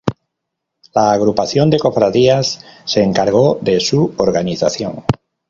La Agrupación de Cofradías se encargó de su organización.